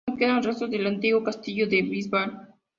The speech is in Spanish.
No quedan restos del antiguo castillo de la Bisbal.